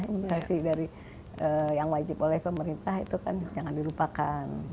imunisasi dari yang wajib oleh pemerintah itu kan jangan dilupakan